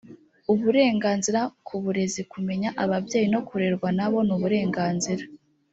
uburenganzira ku burezi kumenya ababyeyi no kurerwa nabo n uburenganzira